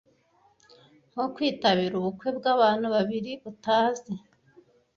nko kwitabira ubukwe bwabantu babiri utazi.